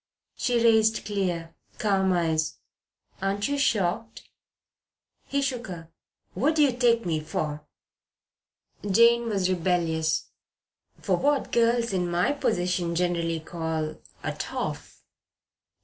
She raised clear, calm eyes. "Aren't you shocked?" He shook her. "What do you take me for?" Jane was rebellious. "For what girls in my position generally call a 'toff.'